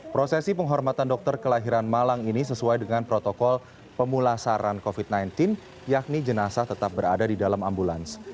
prosesi penghormatan dokter kelahiran malang ini sesuai dengan protokol pemulasaran covid sembilan belas yakni jenazah tetap berada di dalam ambulans